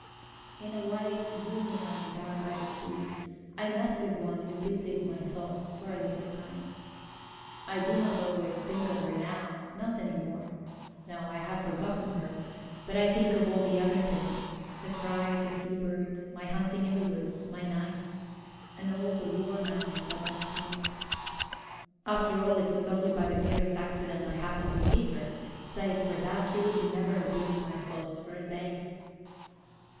In a white, roomy home down by the sea I met with one who busied my thoughts for a little time. I do not always think of her now; not any more. No; I have forgotten her. But I think of all the other things: the cry of the sea birds, my hunting in the woods, my nights, and all the warm hours of that summer. After all, it was only by the merest accident I happened to meet her; save for that, she would never have been in my thoughts for a day.